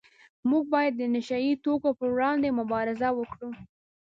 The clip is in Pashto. موږ باید د نشه یي توکو پروړاندې مبارزه وکړو